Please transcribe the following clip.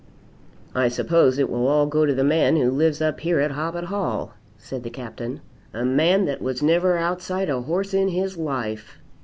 "I suppose it will all go to the man who lives up here at Hoppet Hall," said the Captain, "a man that was never outside a horse in his life!"